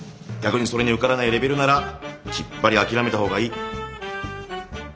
逆にそれに受からないレベルならきっぱり諦めた方がいい。